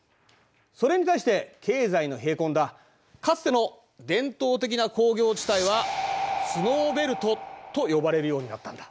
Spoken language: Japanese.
それに対して経済の冷え込んだかつての伝統的な工業地帯はスノーベルトと呼ばれるようになったんだ。